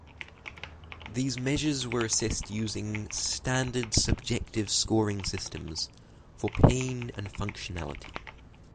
These measures were assessed using standard subjective scoring systems for pain and functionality.